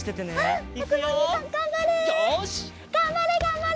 がんばれがんばれ！